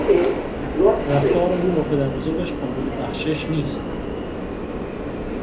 رفتار او با پدربزرگش قابل بخشش نیست.